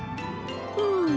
うん！